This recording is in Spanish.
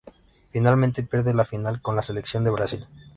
Finalmente pierden la final con la Selección de Brasil.